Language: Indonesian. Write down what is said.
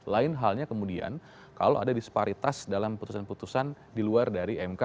lain halnya kemudian kalau ada disparitas dalam putusan putusan di luar dari mk